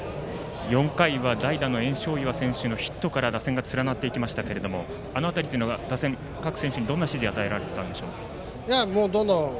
４回は代打の焔硝岩選手のヒットから打線が連なっていきましたがあの辺り、打線、各選手にどんな指示を与えられていたんでしょう？